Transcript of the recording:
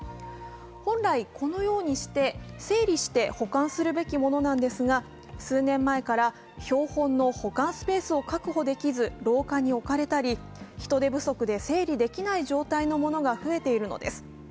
本来、このようにして整理して保管するべきものなのですが、数年前から標本の保管スペースを確保できず廊下に置かれたり人手不足で整理できない状態のものが増えているのです。